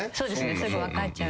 すぐ分かっちゃうし。